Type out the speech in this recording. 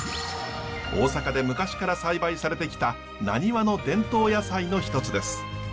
大阪で昔から栽培されてきたなにわの伝統野菜の一つです。